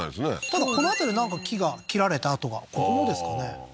ただこの辺りはなんか木が切られた跡がここもですかね